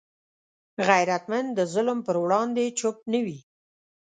غیرتمند د ظلم پر وړاندې چوپ نه وي